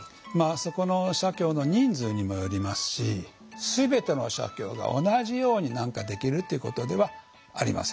そこの社協の人数にもよりますし全ての社協が同じように何かできるってことではありません。